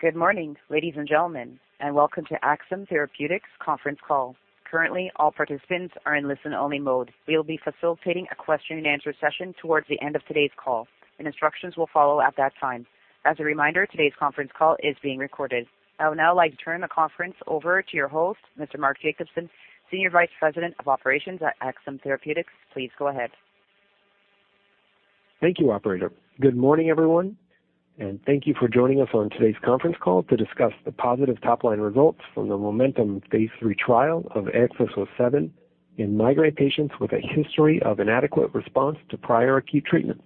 Good morning, ladies and gentlemen, and welcome to Axsome Therapeutics' conference call. Currently, all participants are in listen-only mode. We will be facilitating a question and answer session towards the end of today's call. Instructions will follow at that time. As a reminder, today's conference call is being recorded. I would now like to turn the conference over to your host, Mr. Mark Jacobson, Senior Vice President of Operations at Axsome Therapeutics. Please go ahead. Thank you, operator. Good morning, everyone, thank you for joining us on today's conference call to discuss the positive top-line results from the MOMENTUM phase III trial of AXS-07 in migraine patients with a history of inadequate response to prior acute treatments.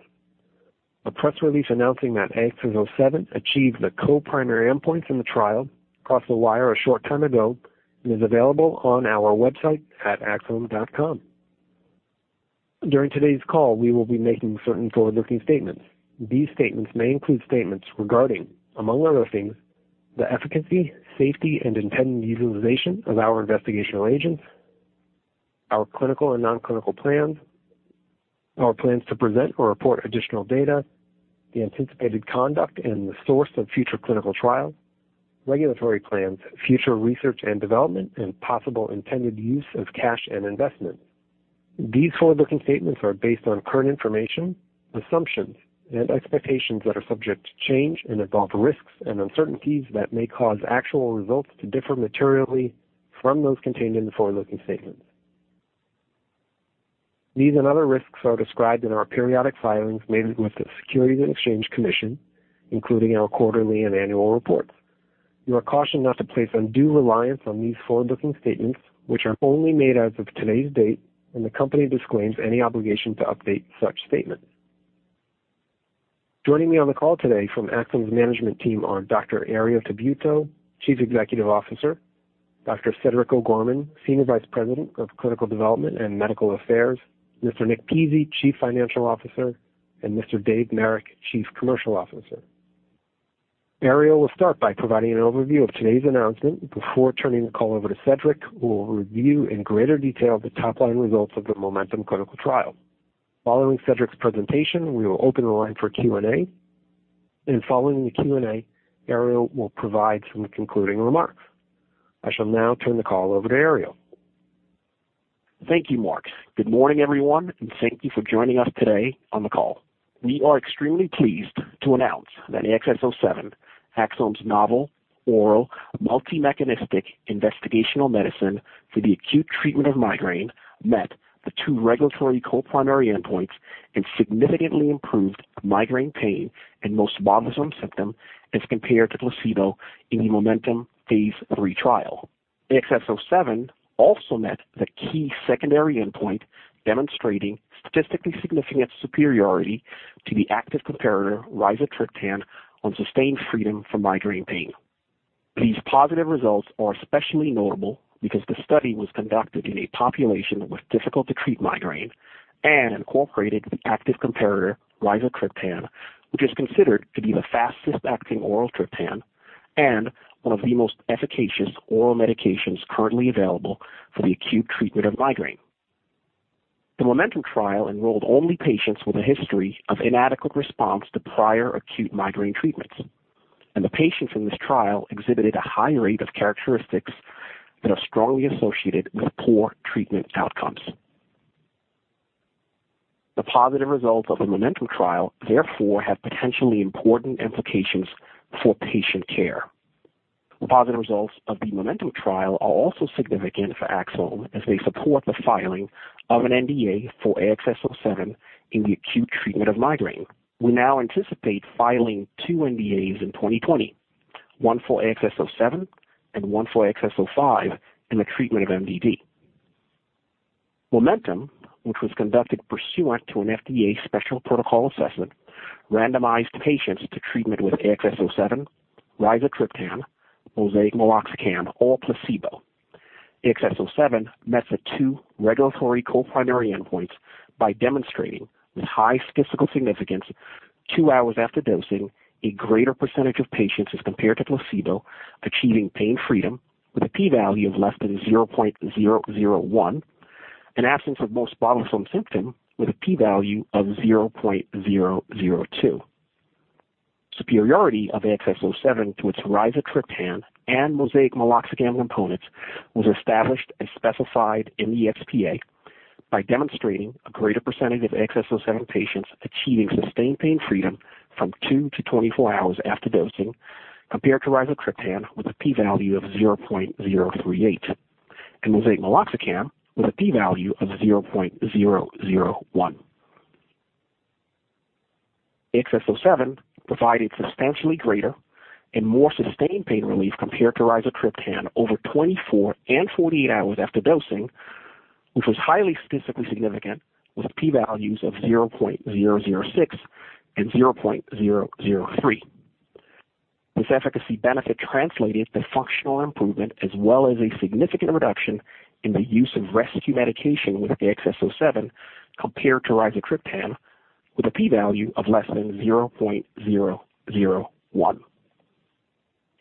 A press release announcing that AXS-07 achieved the co-primary endpoints in the trial crossed the wire a short time ago and is available on our website at axsome.com. During today's call, we will be making certain forward-looking statements. These statements may include statements regarding, among other things, the efficacy, safety, and intended utilization of our investigational agents, our clinical and non-clinical plans, our plans to present or report additional data, the anticipated conduct and the source of future clinical trials, regulatory plans, future research and development, and possible intended use of cash and investments. These forward-looking statements are based on current information, assumptions, and expectations that are subject to change and involve risks and uncertainties that may cause actual results to differ materially from those contained in the forward-looking statements. These and other risks are described in our periodic filings made with the Securities and Exchange Commission, including our quarterly and annual reports. You are cautioned not to place undue reliance on these forward-looking statements, which are only made as of today's date, and the company disclaims any obligation to update such statements. Joining me on the call today from Axsome's management team are Dr. Herriot Tabuteau, Chief Executive Officer, Dr. Cedric O'Gorman, Senior Vice President of Clinical Development and Medical Affairs, Mr. Nick Pizzie, Chief Financial Officer, and Mr. David Marek, Chief Commercial Officer. Herriot will start by providing an overview of today's announcement before turning the call over to Cedric, who will review in greater detail the top-line results of the MOMENTUM clinical trial. Following Cedric's presentation, we will open the line for Q&A. Following the Q&A, Herriot will provide some concluding remarks. I shall now turn the call over to Herriot. Thank you, Mark. Good morning, everyone, and thank you for joining us today on the call. We are extremely pleased to announce that AXS-07, Axsome's novel oral multi-mechanistic investigational medicine for the acute treatment of migraine, met the two regulatory co-primary endpoints and significantly improved migraine pain and most bothersome symptom as compared to placebo in the MOMENTUM phase III trial. AXS-07 also met the key secondary endpoint, demonstrating statistically significant superiority to the active comparator, rizatriptan, on sustained freedom from migraine pain. These positive results are especially notable because the study was conducted in a population with difficult-to-treat migraine and incorporated the active comparator, rizatriptan, which is considered to be the fastest-acting oral triptan and one of the most efficacious oral medications currently available for the acute treatment of migraine. The MOMENTUM trial enrolled only patients with a history of inadequate response to prior acute migraine treatments. The patients in this trial exhibited a high rate of characteristics that are strongly associated with poor treatment outcomes. The positive results of the MOMENTUM trial, therefore, have potentially important implications for patient care. The positive results of the MOMENTUM trial are also significant for Axsome as they support the filing of an NDA for AXS-07 in the acute treatment of migraine. We now anticipate filing two NDAs in 2020, one for AXS-07 and one for AXS-05 in the treatment of MDD. MOMENTUM, which was conducted pursuant to an FDA Special Protocol Assessment, randomized patients to treatment with AXS-07, rizatriptan, MoSEIC meloxicam, or placebo. AXS-07 met the two regulatory co-primary endpoints by demonstrating, with high statistical significance, two hours after dosing, a greater percentage of patients as compared to placebo achieving pain freedom with a P value of less than 0.001, and absence of most bothersome symptom with a P value of 0.002. Superiority of AXS-07 to its rizatriptan and MoSEIC meloxicam components was established as specified in the SPA by demonstrating a greater percentage of AXS-07 patients achieving sustained pain freedom from two to 24 hours after dosing, compared to rizatriptan with a P value of 0.038, and MoSEIC meloxicam with a P value of 0.001. AXS-07 provided substantially greater and more sustained pain relief compared to rizatriptan over 24 and 48 hours after dosing, which was highly statistically significant with P values of 0.006 and 0.003. This efficacy benefit translated to functional improvement as well as a significant reduction in the use of rescue medication with AXS-07 compared to rizatriptan with a P value of less than 0.001.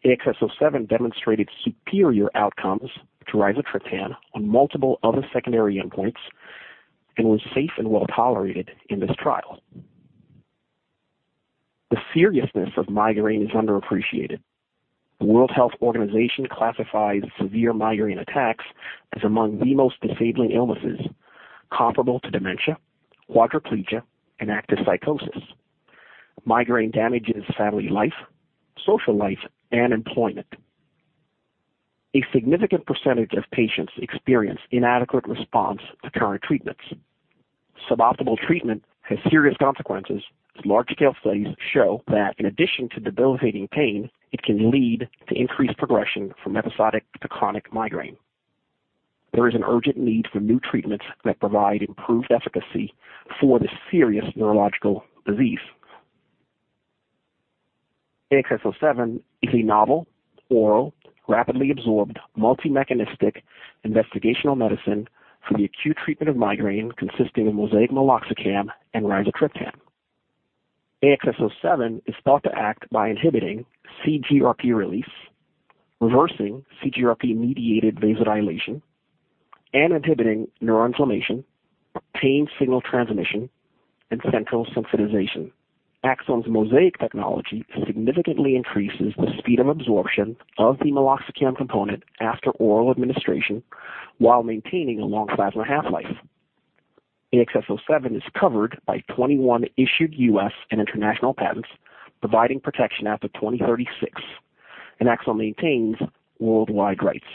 AXS-07 demonstrated superior outcomes to rizatriptan on multiple other secondary endpoints. Was safe and well-tolerated in this trial. The seriousness of migraine is underappreciated. The World Health Organization classifies severe migraine attacks as among the most disabling illnesses, comparable to dementia, quadriplegia, and active psychosis. Migraine damages family life, social life, and employment. A significant percentage of patients experience inadequate response to current treatments. Suboptimal treatment has serious consequences, as large-scale studies show that in addition to debilitating pain, it can lead to increased progression from episodic to chronic migraine. There is an urgent need for new treatments that provide improved efficacy for this serious neurological disease. AXS-07 is a novel, oral, rapidly absorbed, multi-mechanistic investigational medicine for the acute treatment of migraine consisting of MoSEIC meloxicam and rizatriptan. AXS-07 is thought to act by inhibiting CGRP release, reversing CGRP-mediated vasodilation, and inhibiting neuroinflammation, pain signal transmission, and central sensitization. Axsome's MoSEIC technology significantly increases the speed of absorption of the meloxicam component after oral administration while maintaining a long plasma half-life. AXS-07 is covered by 21 issued US and international patents, providing protection out to 2036, and Axsome maintains worldwide rights.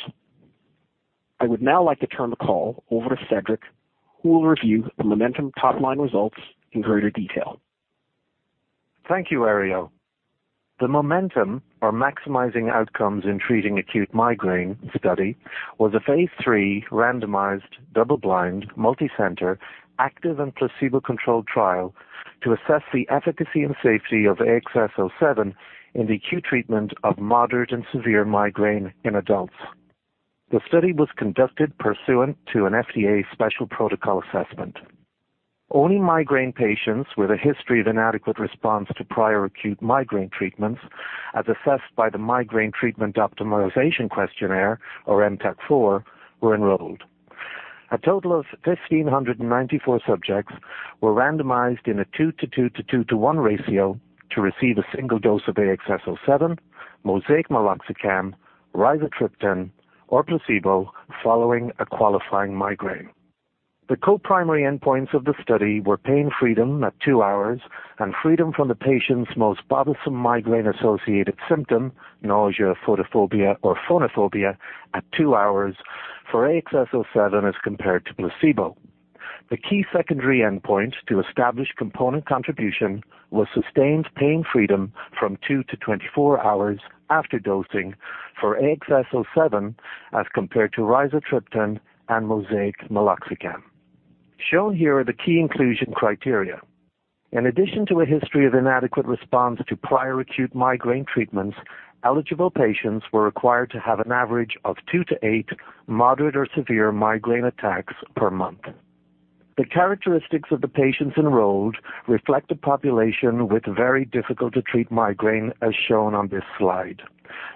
I would now like to turn the call over to Cedric, who will review the MOMENTUM top-line results in greater detail. Thank you, Herriot. The MOMENTUM, or Maximizing Outcomes in Treating Acute Migraine study, was a phase III randomized double-blind, multicenter, active and placebo-controlled trial to assess the efficacy and safety of AXS-07 in the acute treatment of moderate and severe migraine in adults. The study was conducted pursuant to an FDA Special Protocol Assessment. Only migraine patients with a history of inadequate response to prior acute migraine treatments, as assessed by the Migraine Treatment Optimization Questionnaire, or mTOQ-4, were enrolled. A total of 1,594 subjects were randomized in a 2 to 2 to 2 to 1 ratio to receive a single dose of AXS-07, MoSEIC meloxicam, rizatriptan, or placebo following a qualifying migraine. The co-primary endpoints of the study were pain freedom at 2 hours and freedom from the patient's most bothersome migraine-associated symptom, nausea, photophobia, or phonophobia at 2 hours for AXS-07 as compared to placebo. The key secondary endpoint to establish component contribution was sustained pain freedom from 2 to 24 hours after dosing for AXS-07 as compared to rizatriptan and MoSEIC meloxicam. Shown here are the key inclusion criteria. In addition to a history of inadequate response to prior acute migraine treatments, eligible patients were required to have an average of 2 to 8 moderate or severe migraine attacks per month. The characteristics of the patients enrolled reflect a population with very difficult-to-treat migraine, as shown on this slide.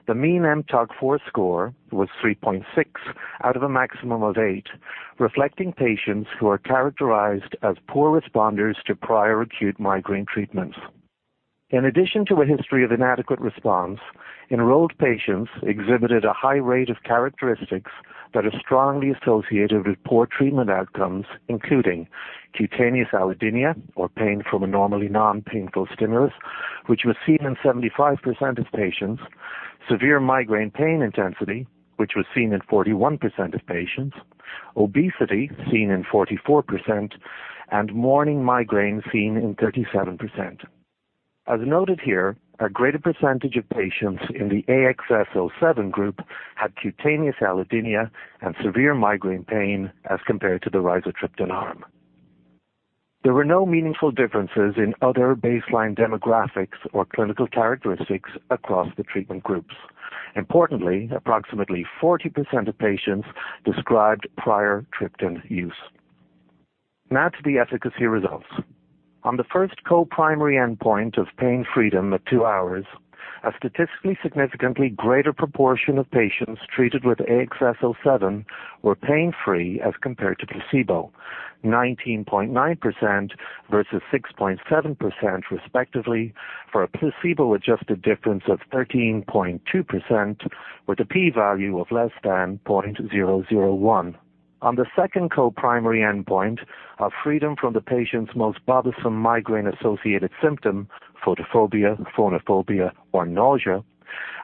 The mean mTOQ-4 score was 3.6 out of a maximum of eight, reflecting patients who are characterized as poor responders to prior acute migraine treatments. In addition to a history of inadequate response, enrolled patients exhibited a high rate of characteristics that are strongly associated with poor treatment outcomes, including cutaneous allodynia, or pain from a normally non-painful stimulus, which was seen in 75% of patients, severe migraine pain intensity, which was seen in 41% of patients, obesity, seen in 44%, and morning migraine, seen in 37%. As noted here, a greater percentage of patients in the AXS-07 group had cutaneous allodynia and severe migraine pain as compared to the rizatriptan arm. There were no meaningful differences in other baseline demographics or clinical characteristics across the treatment groups. Importantly, approximately 40% of patients described prior triptan use. On the first co-primary endpoint of pain freedom at two hours, a statistically significantly greater proportion of patients treated with AXS-07 were pain-free as compared to placebo, 19.9% versus 6.7% respectively, for a placebo-adjusted difference of 13.2% with a P value of less than 0.001. On the second co-primary endpoint of freedom from the patient's most bothersome migraine-associated symptom, photophobia, phonophobia, or nausea,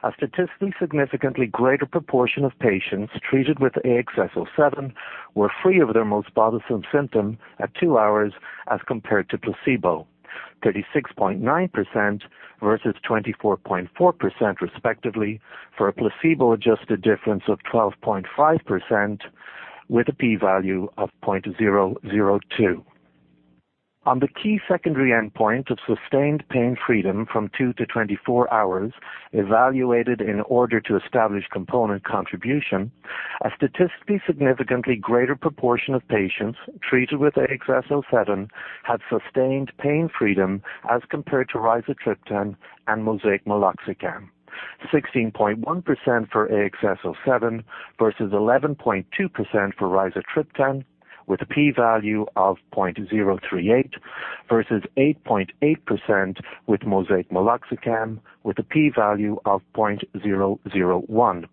a statistically significantly greater proportion of patients treated with AXS-07 were free of their most bothersome symptom at two hours as compared to placebo, 36.9% versus 24.4% respectively for a placebo-adjusted difference of 12.5% with a P value of 0.002. On the key secondary endpoint of sustained pain freedom from 2-24 hours evaluated in order to establish component contribution, a statistically significantly greater proportion of patients treated with AXS-07 had sustained pain freedom as compared to rizatriptan and MoSEIC meloxicam. 16.1% for AXS-07 versus 11.2% for rizatriptan with a P value of 0.038 versus 8.8% with MoSEIC meloxicam with a P value of 0.001.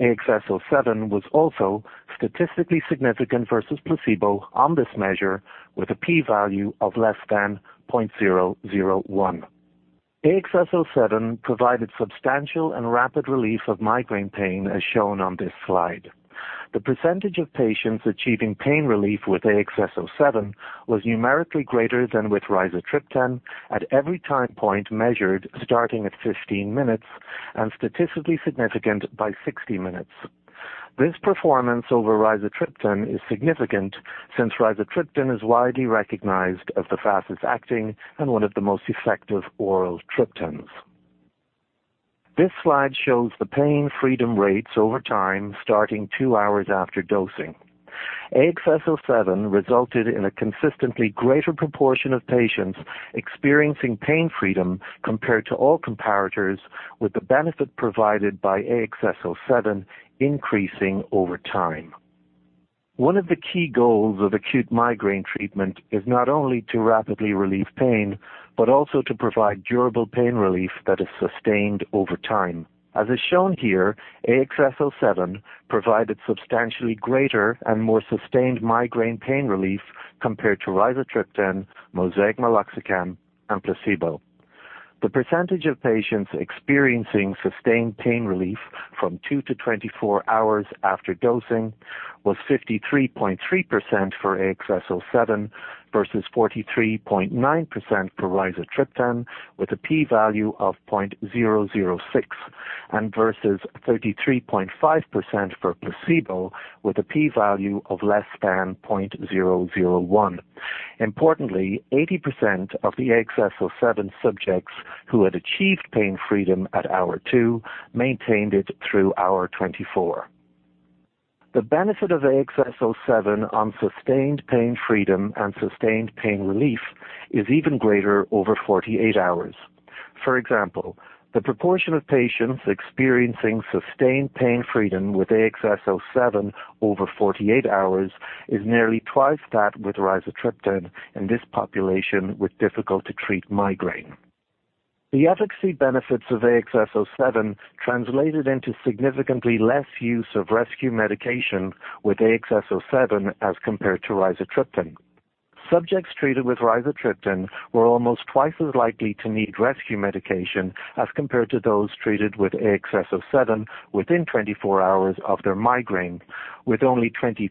AXS-07 was also statistically significant versus placebo on this measure with a P value of less than 0.001. AXS-07 provided substantial and rapid relief of migraine pain as shown on this slide. The percentage of patients achieving pain relief with AXS-07 was numerically greater than with rizatriptan at every time point measured starting at 15 minutes and statistically significant by 60 minutes. This performance over rizatriptan is significant since rizatriptan is widely recognized as the fastest acting and one of the most effective oral triptans. This slide shows the pain freedom rates over time starting two hours after dosing. AXS-07 resulted in a consistently greater proportion of patients experiencing pain freedom compared to all comparators with the benefit provided by AXS-07 increasing over time. One of the key goals of acute migraine treatment is not only to rapidly relieve pain, but also to provide durable pain relief that is sustained over time. As is shown here, AXS-07 provided substantially greater and more sustained migraine pain relief compared to rizatriptan, MoSEIC meloxicam, and placebo. The percentage of patients experiencing sustained pain relief from two to 24 hours after dosing was 53.3% for AXS-07 versus 43.9% for rizatriptan, with a P value of 0.006, and versus 33.5% for placebo with a P value of less than 0.001. Importantly, 80% of the AXS-07 subjects who had achieved pain freedom at hour two maintained it through hour 24. The benefit of AXS-07 on sustained pain freedom and sustained pain relief is even greater over 48 hours. For example, the proportion of patients experiencing sustained pain freedom with AXS-07 over 48 hours is nearly twice that with rizatriptan in this population with difficult-to-treat migraine. The efficacy benefits of AXS-07 translated into significantly less use of rescue medication with AXS-07 as compared to rizatriptan. Subjects treated with rizatriptan were almost twice as likely to need rescue medication as compared to those treated with AXS-07 within 24 hours of their migraine. With only 23%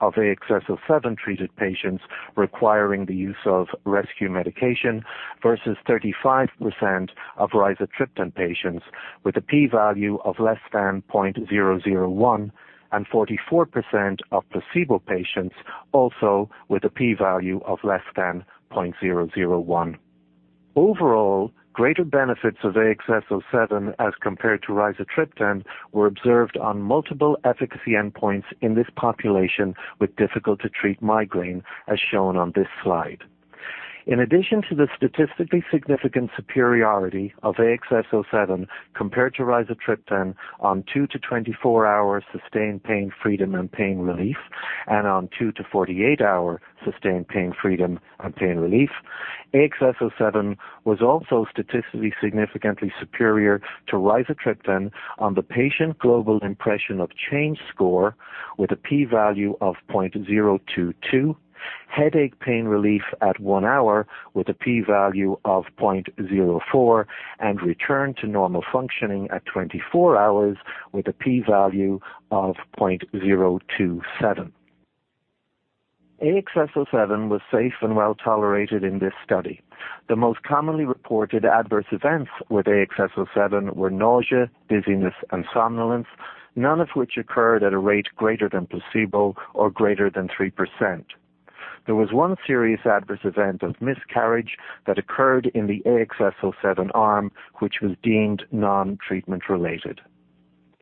of AXS-07 treated patients requiring the use of rescue medication versus 35% of rizatriptan patients with a P value of less than 0.001 and 44% of placebo patients also with a P value of less than 0.001. Overall, greater benefits of AXS-07 as compared to rizatriptan were observed on multiple efficacy endpoints in this population with difficult-to-treat migraine as shown on this slide. In addition to the statistically significant superiority of AXS-07 compared to rizatriptan on 2 to 24 hours sustained pain freedom and pain relief, and on 2 to 48-hour sustained pain freedom and pain relief. AXS-07 was also statistically significantly superior to rizatriptan on the Patient Global Impression of Change score with a P value of 0.022, headache pain relief at 1 hour with a P value of 0.04, and return to normal functioning at 24 hours with a P value of 0.027. AXS-07 was safe and well-tolerated in this study. The most commonly reported adverse events with AXS-07 were nausea, dizziness, and somnolence, none of which occurred at a rate greater than placebo or greater than 3%. There was one serious adverse event of miscarriage that occurred in the AXS-07 arm, which was deemed non-treatment related.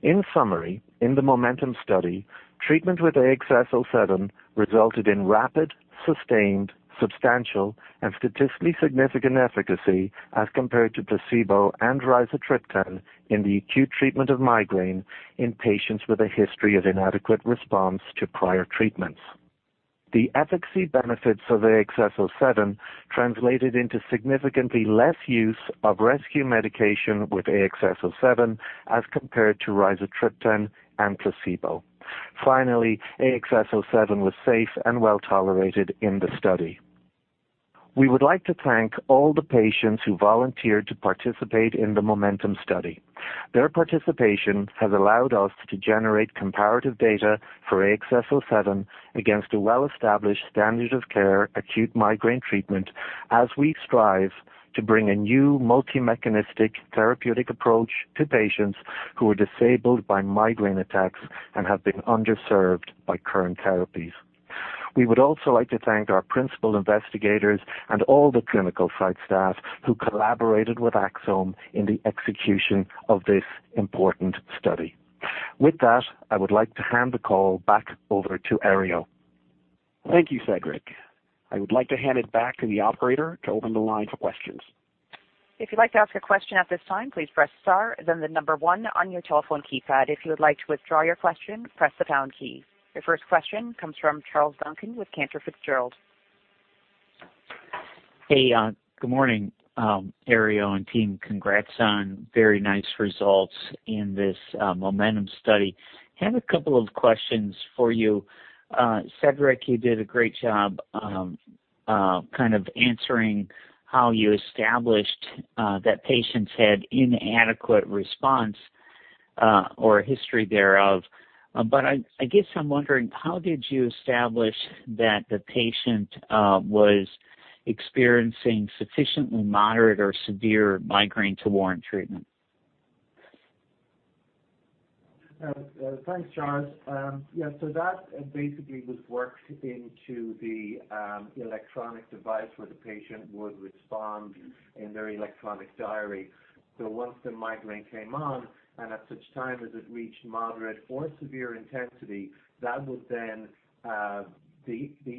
In summary, in the MOMENTUM study, treatment with AXS-07 resulted in rapid, sustained, substantial, and statistically significant efficacy as compared to placebo and rizatriptan in the acute treatment of migraine in patients with a history of inadequate response to prior treatments. The efficacy benefits of AXS-07 translated into significantly less use of rescue medication with AXS-07 as compared to rizatriptan and placebo. Finally, AXS-07 was safe and well-tolerated in the study. We would like to thank all the patients who volunteered to participate in the MOMENTUM study. Their participation has allowed us to generate comparative data for AXS-07 against a well-established standard of care acute migraine treatment as we strive to bring a new multi-mechanistic therapeutic approach to patients who are disabled by migraine attacks and have been underserved by current therapies. We would also like to thank our principal investigators and all the clinical site staff who collaborated with Axsome in the execution of this important study. With that, I would like to hand the call back over to Herriot. Thank you, Cedric. I would like to hand it back to the operator to open the line for questions. If you'd like to ask a question at this time, please press star then the number one on your telephone keypad. If you would like to withdraw your question, press the pound key. Your first question comes from Charles Duncan with Cantor Fitzgerald. Hey. Good morning, Herriot and team. Congrats on very nice results in this MOMENTUM study. Have a couple of questions for you. Cedric, you did a great job answering how you established that patients had inadequate response or history thereof. I guess I'm wondering, how did you establish that the patient was experiencing sufficiently moderate or severe migraine to warrant treatment? Thanks, Charles. That basically was worked into the electronic device where the patient would respond in their electronic diary. Once the migraine came on, and at such time as it reached moderate or severe intensity, the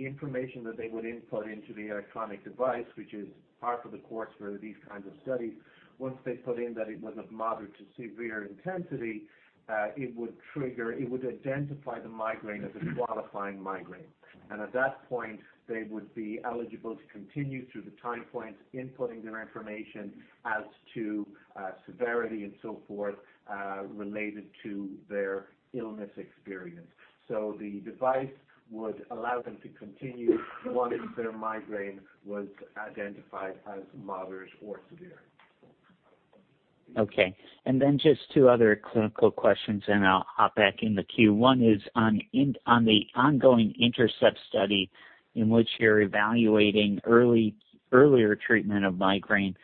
information that they would input into the electronic device, which is par for the course for these kinds of studies. Once they put in that it was of moderate to severe intensity, it would identify the migraine as a qualifying migraine. At that point, they would be eligible to continue through the time points, inputting their information as to severity and so forth, related to their illness experience. The device would allow them to continue once their migraine was identified as moderate or severe. Okay. Just two other clinical questions, and I'll hop back in the queue. One is on the ongoing INTERCEPT study, in which you're evaluating earlier treatment of migraine.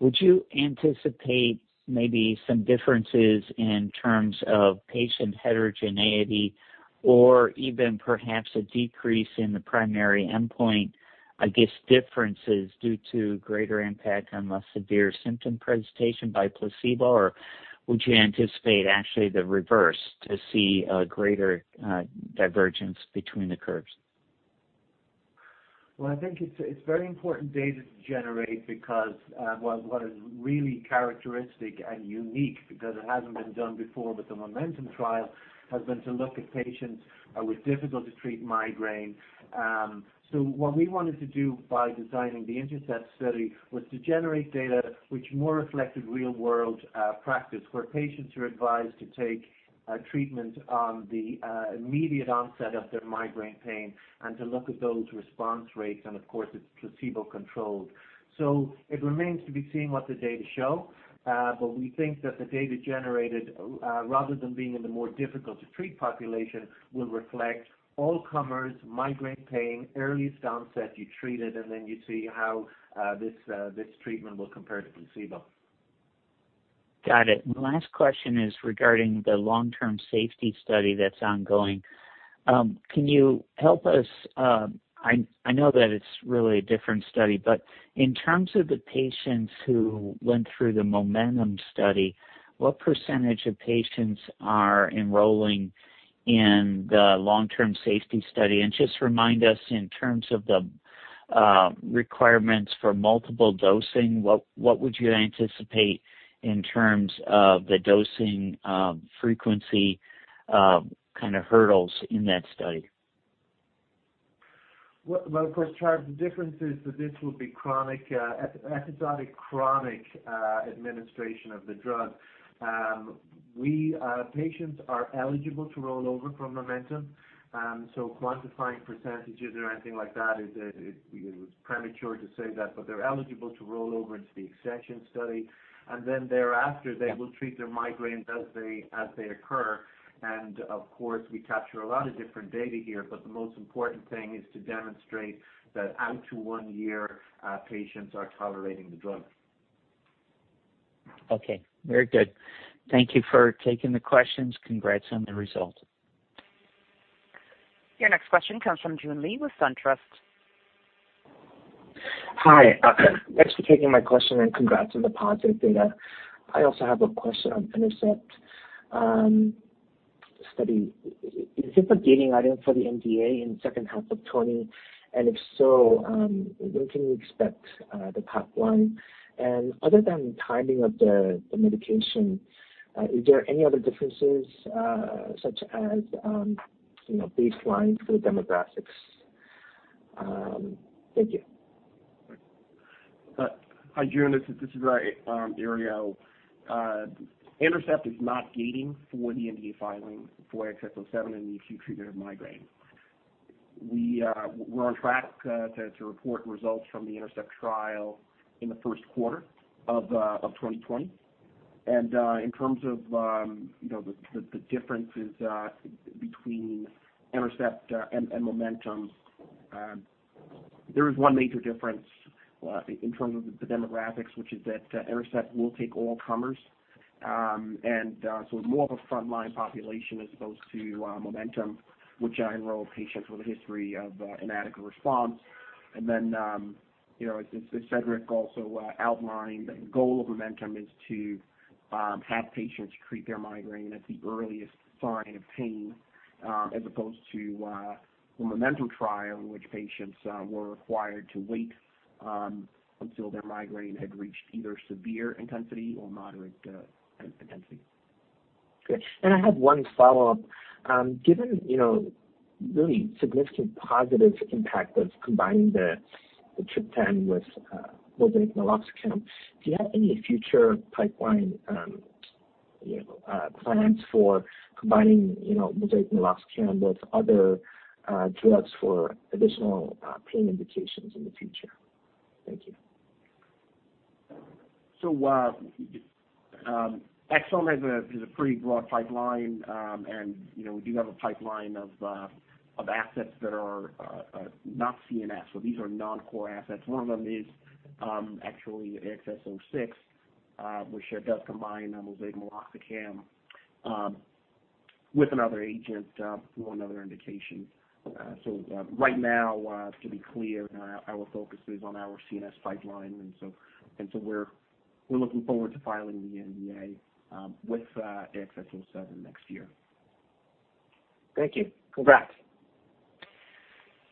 Would you anticipate maybe some differences in terms of patient heterogeneity or even perhaps a decrease in the primary endpoint, I guess, differences due to greater impact on less severe symptom presentation by placebo? Would you anticipate actually the reverse, to see a greater divergence between the curves? I think it's very important data to generate because what is really characteristic and unique, because it hasn't been done before with the MOMENTUM trial, has been to look at patients with difficult-to-treat migraine. What we wanted to do by designing the INTERCEPT study was to generate data which more reflected real-world practice, where patients are advised to take treatment on the immediate onset of their migraine pain and to look at those response rates, and of course, it's placebo-controlled. It remains to be seen what the data show, but we think that the data generated, rather than being in the more difficult-to-treat population, will reflect all comers, migraine pain, earliest onset, you treat it, and then you see how this treatment will compare to placebo. Got it. Last question is regarding the long-term safety study that's ongoing. Can you, I know that it's really a different study, but in terms of the patients who went through the MOMENTUM study, what percentage of patients are enrolling in the long-term safety study? Just remind us in terms of the requirements for multiple dosing, what would you anticipate in terms of the dosing frequency hurdles in that study? Well, of course, Charles, the difference is that this will be episodic chronic administration of the drug. Patients are eligible to roll over from MOMENTUM. Quantifying percentages or anything like that, it was premature to say that, but they're eligible to roll over into the extension study. Thereafter, they will treat their migraines as they occur. We capture a lot of different data here, but the most important thing is to demonstrate that out to one year, patients are tolerating the drug. Okay. Very good. Thank you for taking the questions. Congrats on the results. Your next question comes from Joon Lee with SunTrust. Hi. Thanks for taking my question. Congrats on the positive data. I also have a question on INTERCEPT study. Is this a gating item for the NDA in second half of 2020? If so, when can we expect the top line? Other than timing of the medication, is there any other differences such as baseline for the demographics? Thank you. Hi, Joon, this is Herriot. INTERCEPT is not gating for the NDA filing for AXS-07 in the acute treatment of migraine. We're on track to report results from the INTERCEPT trial in the first quarter of 2020. In terms of the differences between INTERCEPT and MOMENTUM, there is one major difference in terms of the demographics, which is that INTERCEPT will take all comers. So it's more of a frontline population as opposed to MOMENTUM, which enrolled patients with a history of inadequate response. Then, as Cedric also outlined, the goal of MOMENTUM is to have patients treat their migraine at the earliest sign of pain as opposed to the MOMENTUM trial, in which patients were required to wait until their migraine had reached either severe intensity or moderate intensity. Good. I have one follow-up. Given really significant positive impact of combining the triptan with meloxicam, do you have any future pipeline plans for combining meloxicam with other drugs for additional pain indications in the future? Thank you. Axsome has a pretty broad pipeline. We do have a pipeline of assets that are not CNS. These are non-core assets. One of them is actually AXS-06, which does combine meloxicam with another agent for another indication. Right now, to be clear, our focus is on our CNS pipeline. We're looking forward to filing the NDA with AXS-07 next year. Thank you. Congrats.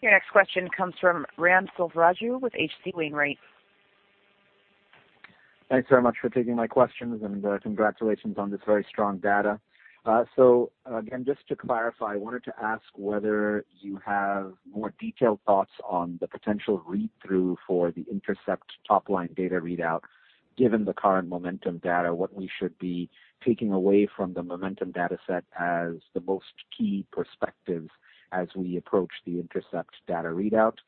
Your next question comes from Ram Selvaraju with H.C. Wainwright. Thanks very much for taking my questions. Congratulations on this very strong data. Again, just to clarify, I wanted to ask whether you have more detailed thoughts on the potential read-through for the INTERCEPT top-line data readout, given the current MOMENTUM data, what we should be taking away from the MOMENTUM data set as the most key perspective as we approach the INTERCEPT data readout.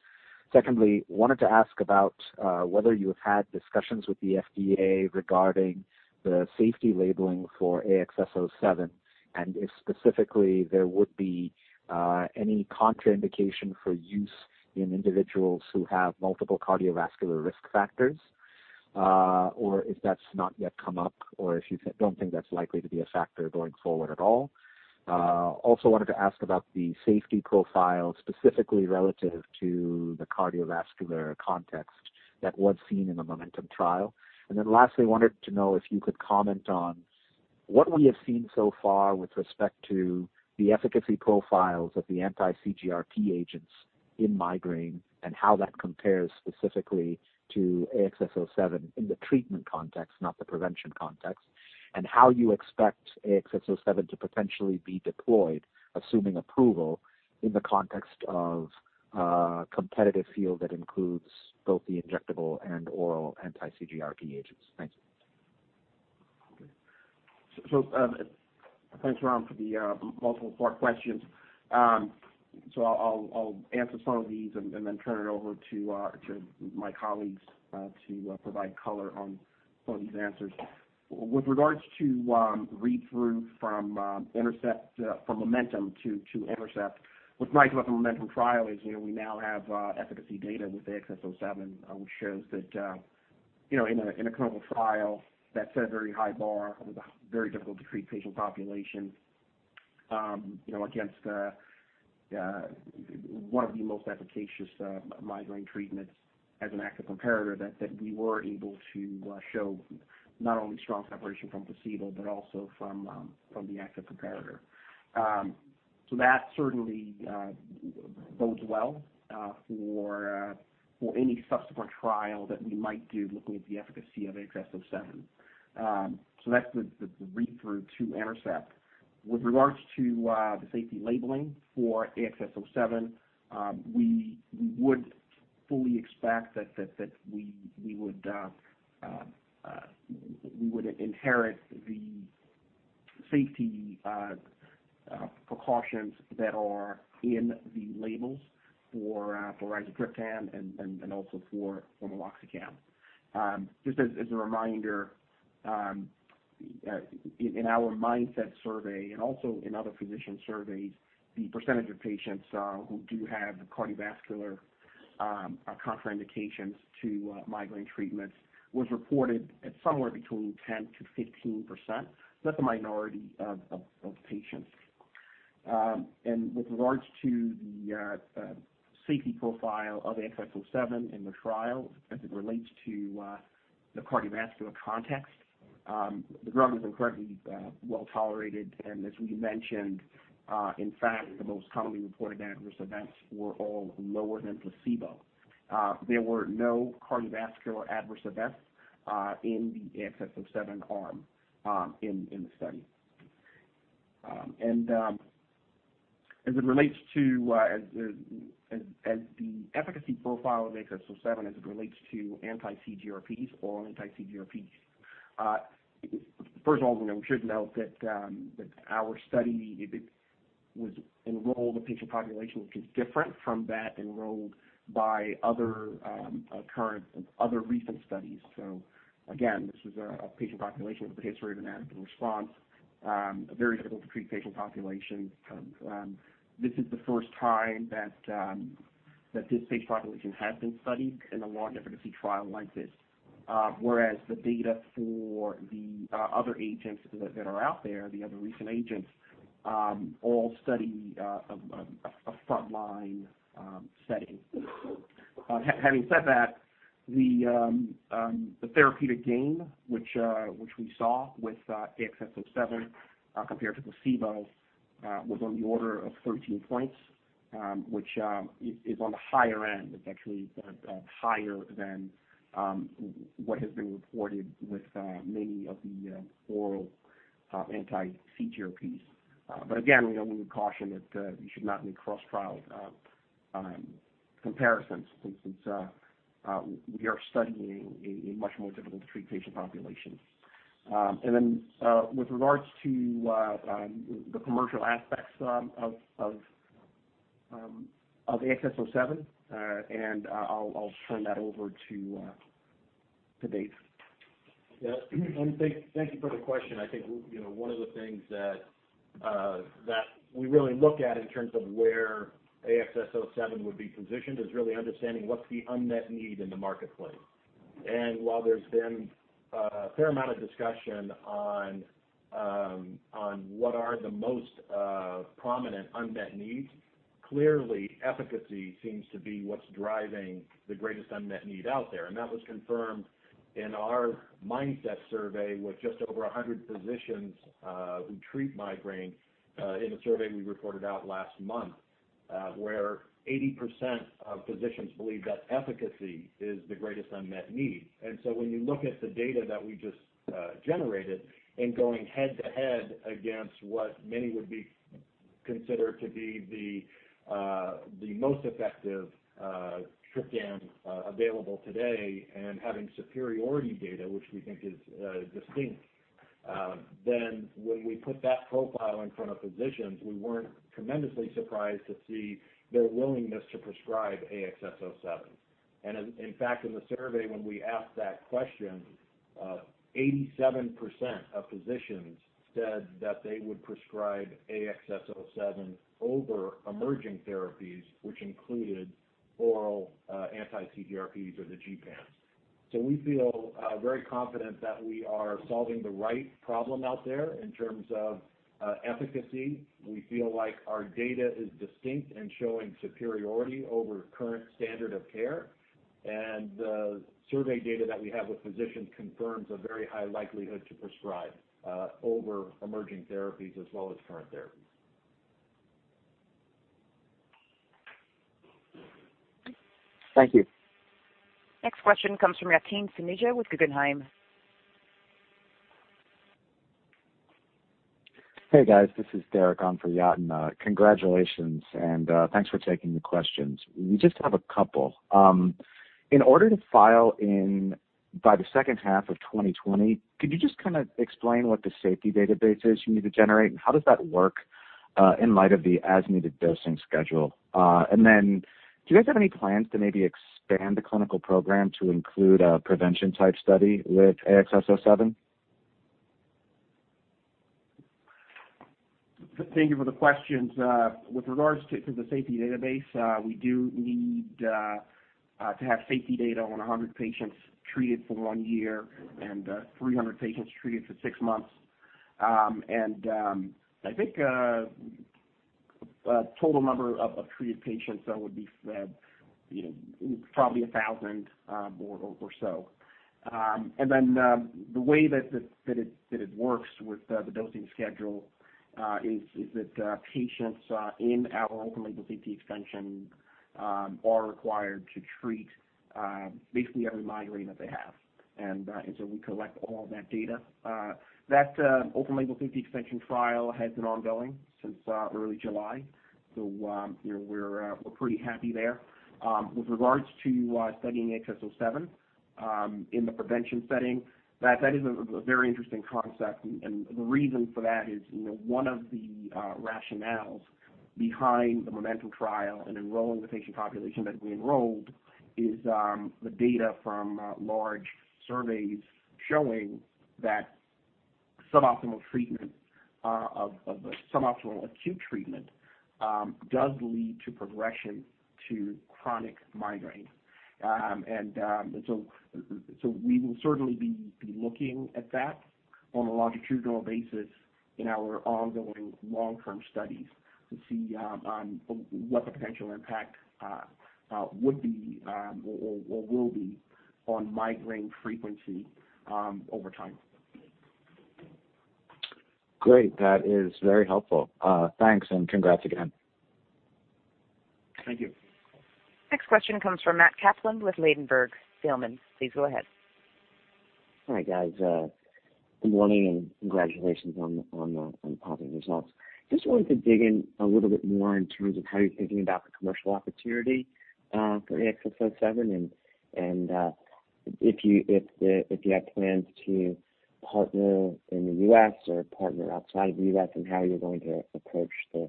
Secondly, wanted to ask about whether you have had discussions with the FDA regarding the safety labeling for AXS-07. If specifically there would be any contraindication for use in individuals who have multiple cardiovascular risk factors, or if that's not yet come up, or if you don't think that's likely to be a factor going forward at all. Also wanted to ask about the safety profile, specifically relative to the cardiovascular context that was seen in the MOMENTUM trial. Lastly, wanted to know if you could comment on what we have seen so far with respect to the efficacy profiles of the anti-CGRP agents in migraine and how that compares specifically to AXS-07 in the treatment context, not the prevention context, and how you expect AXS-07 to potentially be deployed, assuming approval in the context of a competitive field that includes both the injectable and oral anti-CGRP agents. Thanks. Thanks, Ram, for the multiple four questions. I'll answer some of these and then turn it over to my colleagues to provide color on some of these answers. With regards to read-through from MOMENTUM to INTERCEPT, what's nice about the MOMENTUM trial is we now have efficacy data with AXS-07, which shows that in a clinical trial that set a very high bar with a very difficult to treat patient population against one of the most efficacious migraine treatments as an active comparator, that we were able to show not only strong separation from placebo but also from the active comparator. That certainly bodes well for any subsequent trial that we might do looking at the efficacy of AXS-07. That's the read-through to INTERCEPT. With regards to the safety labeling for AXS-07, we would fully expect that we would inherit the safety precautions that are in the labels for rizatriptan and also for meloxicam. Just as a reminder, in our MINDSET survey and also in other physician surveys, the percentage of patients who do have cardiovascular contraindications to migraine treatments was reported at somewhere between 10%-15%, so that's a minority of patients. With regards to the safety profile of AXS-07 in the trial as it relates to the cardiovascular context, the drug was incredibly well-tolerated, and as we mentioned, in fact, the most commonly reported adverse events were all lower than placebo. There were no cardiovascular adverse events in the AXS-07 arm in the study. As the efficacy profile of AXS-07 as it relates to anti-CGRPs, all anti-CGRPs. First of all, we should note that our study enrolled a patient population which is different from that enrolled by other recent studies. Again, this is a patient population with a history of inadequate response, a very difficult to treat patient population. This is the first time that this patient population has been studied in a large efficacy trial like this. Whereas the data for the other agents that are out there, the other recent agents, all study a frontline setting. Having said that, the therapeutic gain, which we saw with AXS-07 compared to placebo, was on the order of 13 points, which is on the higher end. It's actually higher than what has been reported with many of the oral anti-CGRPs. Again, we would caution that you should not make cross-trial comparisons since we are studying a much more difficult-to-treat patient population. With regards to the commercial aspects of AXS-07, and I'll turn that over to Dave. Yeah. Thank you for the question. I think one of the things that we really look at in terms of where AXS-07 would be positioned is really understanding what's the unmet need in the marketplace. While there's been a fair amount of discussion on what are the most prominent unmet needs, clearly efficacy seems to be what's driving the greatest unmet need out there. That was confirmed in our MINDSET survey with just over 100 physicians who treat migraine in a survey we reported out last month, where 80% of physicians believe that efficacy is the greatest unmet need. When you look at the data that we just generated in going head-to-head against what many would consider to be the most effective triptan available today, and having superiority data, which we think is distinct, then when we put that profile in front of physicians, we weren't tremendously surprised to see their willingness to prescribe AXS-07. In fact, in the survey, when we asked that question, 87% of physicians said that they would prescribe AXS-07 over emerging therapies, which included oral anti-CGRPs or the gepants. We feel very confident that we are solving the right problem out there in terms of efficacy. We feel like our data is distinct and showing superiority over current standard of care. The survey data that we have with physicians confirms a very high likelihood to prescribe over emerging therapies as well as current therapies. Thank you. Next question comes from Yatin Suneja with Guggenheim. Hey, guys. This is Derek on for Yatin. Congratulations, thanks for taking the questions. We just have a couple. In order to file in by the second half of 2020, could you just kind of explain what the safety database is you need to generate, and how does that work in light of the as-needed dosing schedule? Do you guys have any plans to maybe expand the clinical program to include a prevention type study with AXS-07? Thank you for the questions. With regards to the safety database, we do need to have safety data on 100 patients treated for one year and 300 patients treated for six months. I think total number of treated patients, that would be probably 1,000 or so. The way that it works with the dosing schedule is that patients in our open label safety extension are required to treat basically every migraine that they have. We collect all of that data. That open label safety extension trial has been ongoing since early July, so we're pretty happy there. With regards to studying AXS-07 in the prevention setting, that is a very interesting concept. The reason for that is one of the rationales behind the MOMENTUM trial and enrolling the patient population that we enrolled is the data from large surveys showing that suboptimal acute treatment does lead to progression to chronic migraine. We will certainly be looking at that on a longitudinal basis in our ongoing long term studies to see on what the potential impact would be or will be on migraine frequency over time. Great. That is very helpful. Thanks. Congrats again. Thank you. Next question comes from Matthew Kaplan with Ladenburg Thalmann. Please go ahead. Hi, guys. Good morning, and congratulations on the positive results. Just wanted to dig in a little bit more in terms of how you're thinking about the commercial opportunity for AXS-07 and if you have plans to partner in the U.S. or partner outside of the U.S. and how you're going to approach the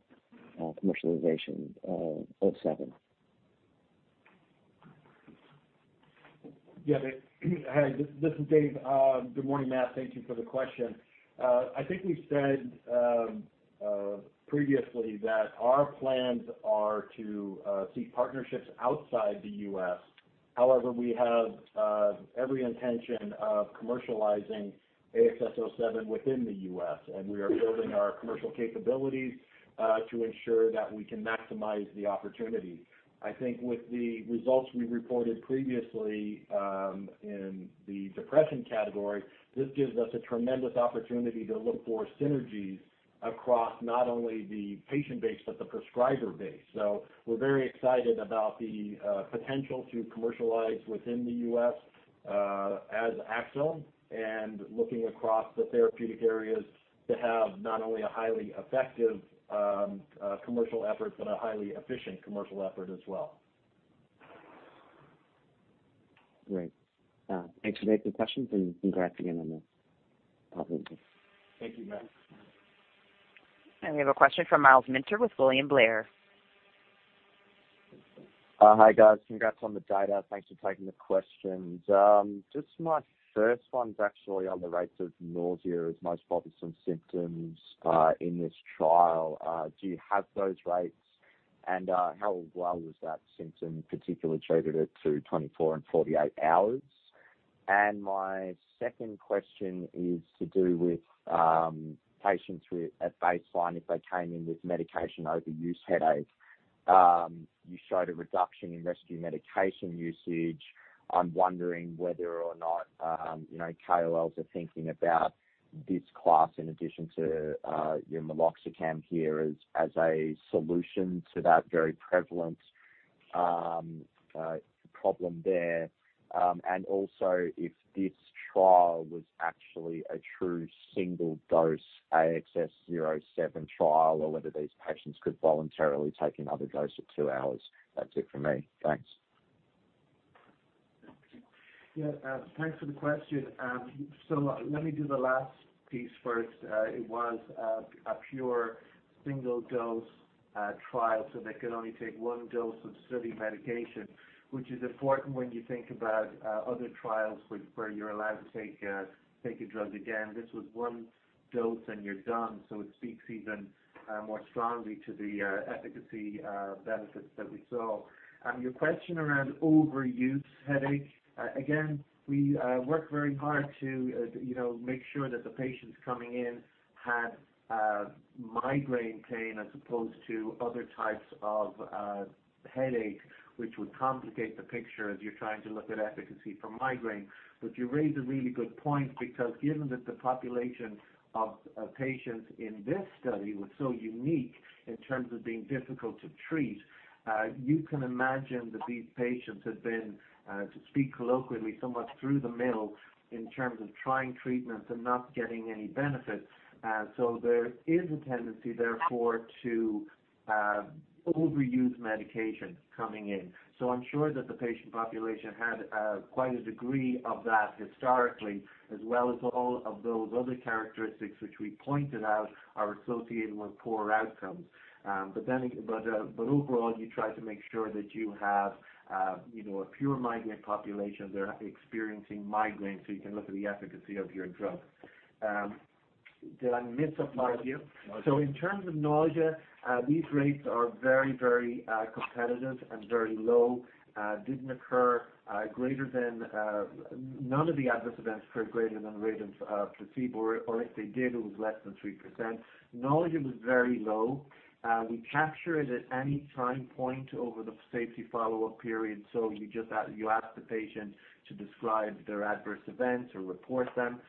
commercialization of 07. Yeah. Hi, this is Dave. Good morning, Matt. Thank you for the question. I think we've said previously that our plans are to seek partnerships outside the U.S. We have every intention of commercializing AXS-07 within the U.S., and we are building our commercial capabilities to ensure that we can maximize the opportunity. I think with the results we reported previously in the depression category, this gives us a tremendous opportunity to look for synergies across not only the patient base but the prescriber base. We're very excited about the potential to commercialize within the U.S. as Axsome and looking across the therapeutic areas to have not only a highly effective commercial effort but a highly efficient commercial effort as well. Great. Thanks for taking the questions and congrats again on the positive results. Thank you, Matt. We have a question from Myles Minter with William Blair. Hi, guys. Congrats on the data. Thanks for taking the questions. Just my first one is actually on the rates of nausea as most bothersome symptoms in this trial. Do you have those rates? How well was that symptom particularly treated at 24 and 48 hours? My second question is to do with patients who, at baseline, if they came in with medication overuse headache. You showed a reduction in rescue medication usage. I'm wondering whether or not KOLs are thinking about this class in addition to your meloxicam here as a solution to that very prevalent problem there. Also if this trial was actually a true single-dose AXS-07 trial or whether these patients could voluntarily take another dose at two hours. That's it for me. Thanks. Yeah. Thanks for the question. Let me do the last piece first. It was a pure single-dose trial, so they could only take one dose of study medication, which is important when you think about other trials where you're allowed to take your drugs again. This was one dose and you're done. It speaks even more strongly to the efficacy benefits that we saw. Your question around overuse headache. We work very hard to make sure that the patients coming in had migraine pain as opposed to other types of headache, which would complicate the picture as you're trying to look at efficacy for migraine. You raise a really good point because given that the population of patients in this study was so unique in terms of being difficult to treat, you can imagine that these patients had been, to speak colloquially, somewhat through the mill in terms of trying treatments and not getting any benefit. There is a tendency, therefore, to overuse medication coming in. I'm sure that the patient population had quite a degree of that historically, as well as all of those other characteristics which we pointed out are associated with poorer outcomes. Overall, you try to make sure that you have a pure migraine population that are experiencing migraines so you can look at the efficacy of your drug. Did I miss a part of you? In terms of nausea, these rates are very competitive and very low. None of the adverse events occurred greater than the rate of placebo, or if they did, it was less than 3%. Nausea was very low. We capture it at any time point over the safety follow-up period. You ask the patient to describe their adverse events or report them.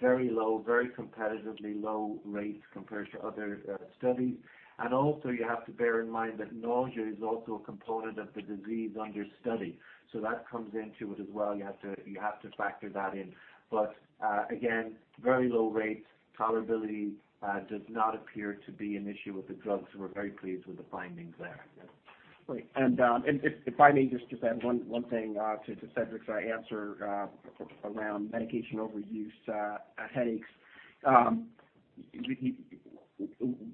Very low, very competitively low rates compared to other studies. Also, you have to bear in mind that nausea is also a component of the disease under study. That comes into it as well. You have to factor that in. Again, very low rates. Tolerability does not appear to be an issue with the drug, so we're very pleased with the findings there. Great. If I may just add one thing to Cedric's answer around medication-overuse headaches.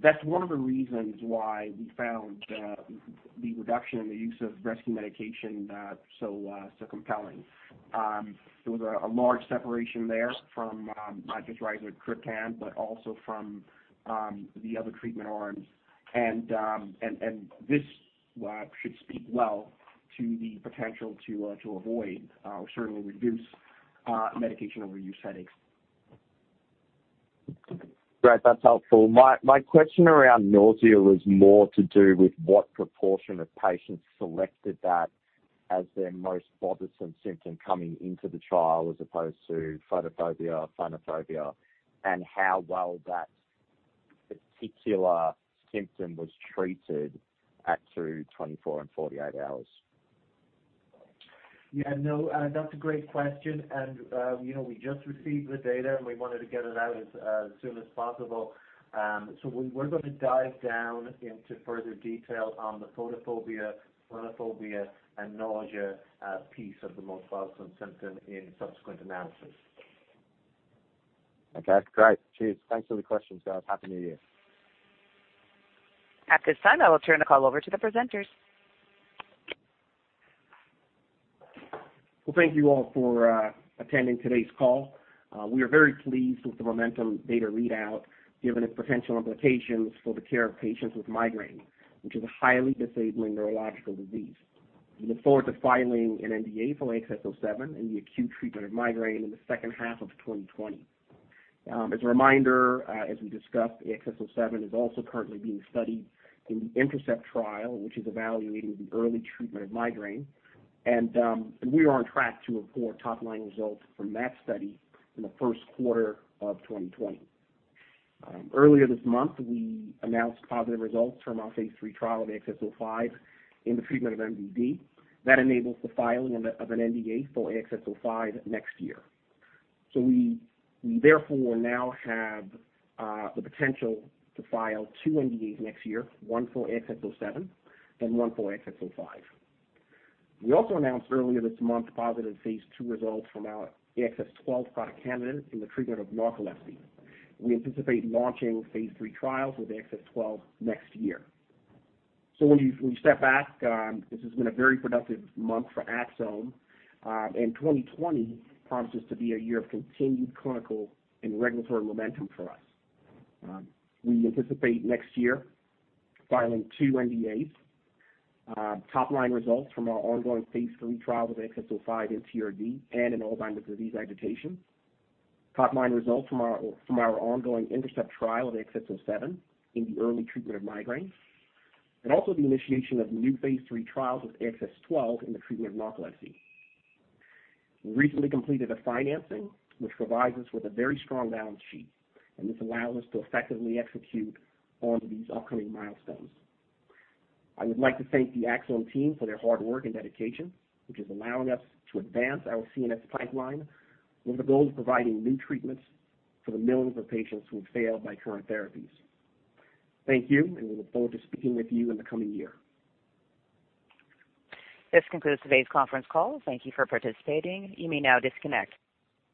That's one of the reasons why we found the reduction in the use of rescue medication so compelling. There was a large separation there from not just rizatriptan, but also from the other treatment arms. This should speak well to the potential to avoid or certainly reduce medication-overuse headaches. Great. That's helpful. My question around nausea was more to do with what proportion of patients selected that as their most bothersome symptom coming into the trial, as opposed to photophobia, phonophobia, and how well that particular symptom was treated at through 24 and 48 hours. Yeah. No, that's a great question. We just received the data, and we wanted to get it out as soon as possible. We're going to dive down into further detail on the photophobia, phonophobia, and nausea piece of the most bothersome symptom in subsequent analysis. Okay, great. Cheers. Thanks for the questions, guys. Happy New Year. At this time, I will turn the call over to the presenters. Well, thank you all for attending today's call. We are very pleased with the MOMENTUM data readout, given its potential implications for the care of patients with migraine, which is a highly disabling neurological disease. We look forward to filing an NDA for AXS-07 in the acute treatment of migraine in the second half of 2020. As a reminder, as we discussed, AXS-07 is also currently being studied in the INTERCEPT trial, which is evaluating the early treatment of migraine. We are on track to report top-line results from that study in the first quarter of 2020. Earlier this month, we announced positive results from our phase III trial of AXS-05 in the treatment of MDD. That enables the filing of an NDA for AXS-05 next year. We therefore will now have the potential to file two NDAs next year, one for AXS-07 and one for AXS-05. We also announced earlier this month positive phase II results from our AXS-12 product candidate in the treatment of narcolepsy. We anticipate launching phase III trials with AXS-12 next year. When you step back, this has been a very productive month for Axsome, and 2020 promises to be a year of continued clinical and regulatory momentum for us. We anticipate next year filing two NDAs, top-line results from our ongoing phase III trials of AXS-05 in TRD and in Alzheimer's disease agitation, top-line results from our ongoing INTERCEPT trial of AXS-07 in the early treatment of migraine, and also the initiation of new phase III trials with AXS-12 in the treatment of narcolepsy. We recently completed a financing, which provides us with a very strong balance sheet, and this allows us to effectively execute on these upcoming milestones. I would like to thank the Axsome team for their hard work and dedication, which is allowing us to advance our CNS pipeline with the goal of providing new treatments for the millions of patients who have failed by current therapies. Thank you. We look forward to speaking with you in the coming year. This concludes today's conference call. Thank you for participating. You may now disconnect.